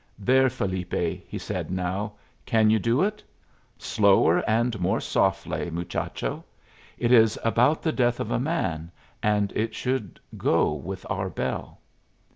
"There, Felipe!" he said now. "Can you do it? Slower, and more softly, muchacho. It is about the death of a man, and it should go with our bell."